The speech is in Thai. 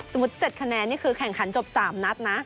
๗คะแนนนี่คือแข่งขันจบ๓นัดนะ